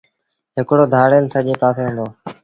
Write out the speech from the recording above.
هڪڙو ڌآڙيل سڄي پآسي هُݩدو